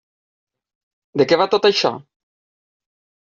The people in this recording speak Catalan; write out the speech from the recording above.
De què va tot això?